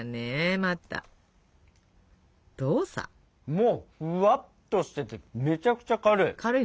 もうふわっとしててめちゃくちゃ軽い。